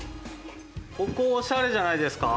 ここオシャレじゃないですか？